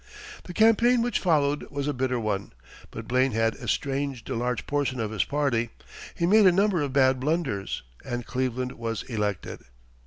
The campaign which followed was a bitter one; but Blaine had estranged a large portion of his party, he made a number of bad blunders, and Cleveland was elected.